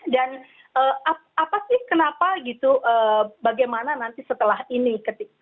dan apa sih kenapa gitu bagaimana nanti setelah ini